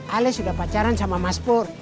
alis udah pacaran sama mas pur